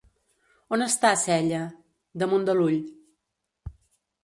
On està Sella? —Damunt de l'ull.